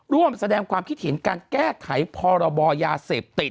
ร่วมแสดงความคิดเห็นการแก้ไขพรบยาเสพติด